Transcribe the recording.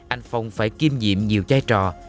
anh phong phải kiêm nhiệm nhiều chai trò